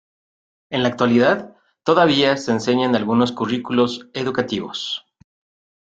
En la actualidad, todavía se enseña en algunos currículos educativos.